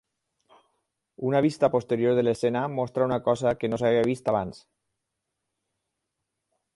Una vista posterior de l'escena mostra una cosa que no s'havia vist abans.